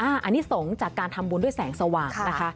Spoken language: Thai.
อันนี้สงฆ์จากการทำบุญด้วยแสงสว่างนะคะ